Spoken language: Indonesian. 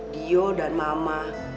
dio dan mama